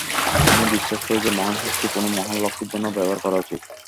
আমি বিশ্বাস করি যে মহান শক্তি কোনো মহান লক্ষ্যের জন্য ব্যবহার করা উচিত।